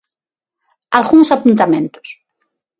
Algúns apuntamentos.